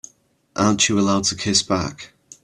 Aren't you allowed to kiss back?